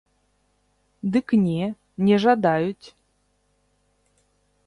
Дык не, не жадаюць.